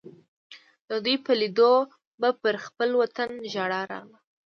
د دوی په لیدو به پر خپل وطن ژړا راغله.